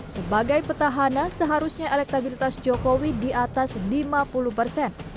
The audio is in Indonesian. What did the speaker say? sebagai petahana seharusnya elektabilitas jokowi di atas lima puluh persen